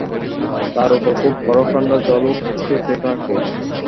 তার উপর খুব বরফ-ঠাণ্ডা জলও খেতে থাকো।